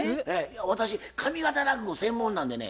私上方落語専門なんでね